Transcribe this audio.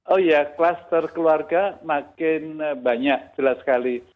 oh ya cluster keluarga makin banyak jelas sekali